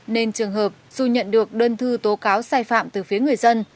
nên trường hợp dù nhận được đơn thư tố cáo sai phạm từ phía người dân